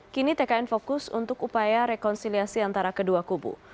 kini tkn fokus untuk upaya rekonsiliasi antara kedua kubu